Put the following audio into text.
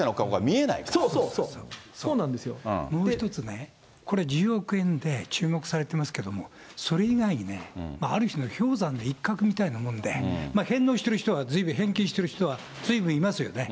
そうそう、もう一つね、これ１０億円で注目されてますけど、それ以外にもある意味、氷山の一角みたいなもんで、返納してる人は、返金してる人はずいぶんいますよね、